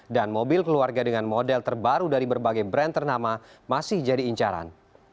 dan mobil keluarga dengan model terbaru dari berbagai brand ternama masih jadi incaran